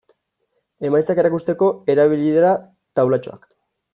Emaitzak erakusteko erabili dira taulatxoak.